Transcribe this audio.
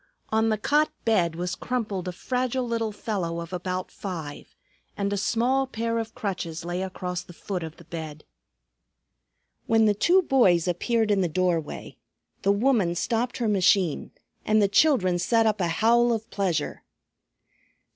On the cot bed was crumpled a fragile little fellow of about five, and a small pair of crutches lay across the foot of the bed. When the two boys appeared in the doorway, the woman stopped her machine and the children set up a howl of pleasure.